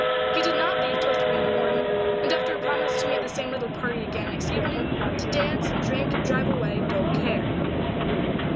He did not leave till three in the morning, and after a promise to meet the same little party again next evening to dance and drink and drive away dull care.